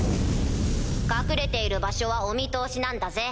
隠れている場所はお見通しなんだぜ。